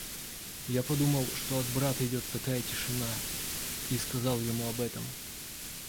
Я подумал, что от брата идет такая тишина, и сказал ему об этом.